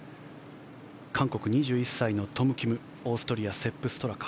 韓国、２１歳のトム・キムオーストリアセップ・ストラカ。